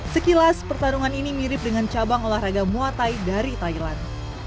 sekilas pertarungan ini mirip dengan cabang olahraga muatai dari thailand